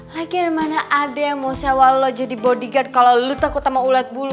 lagi ada mana ada yang mau sewa lo jadi body guard kalau lu takut sama ulat bulu